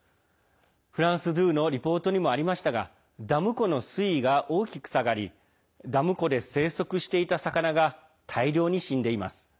フランス２のリポートにもありましたがダム湖の水位が大きく下がりダム湖で生息していた魚が大量に死んでいます。